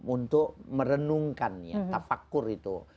untuk merenungkan ya tafakur itu